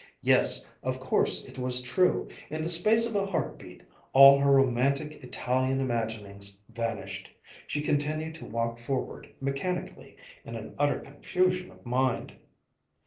Yes, of course it was true! In the space of a heartbeat, all her romantic Italian imaginings vanished. She continued to walk forward mechanically, in an utter confusion of mind.